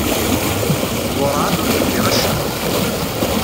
Werɛad ur d-ufiɣ acemma.